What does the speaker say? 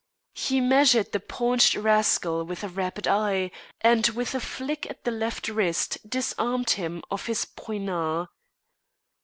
He measured the paunched rascal with a rapid eye, and with a flick at the left wrist disarmed him of his poignard.